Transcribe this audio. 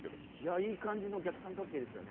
いい感じの逆三角形でしたね。